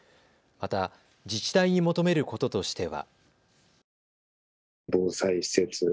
また自治体に求めることとしては。